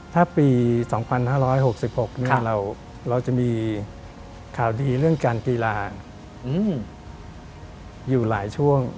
ถ้าปี๒๕๖๖เราจะมีข่าวดีเรื่องการกีฬาอยู่หลายช่วง